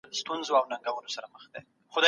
ليکوالانو ته بايد د ليکلو پوره ازادي ورکړل سي.